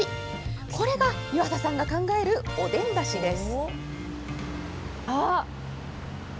これが湯浅さんが考えるおでんだしです。